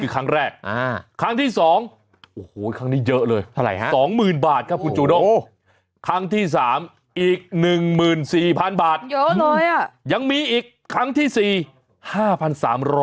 ครั้งที่๓อีก๑๔๐๐๐บาทยังมีอีกครั้งที่๔๕๓๐๐บาท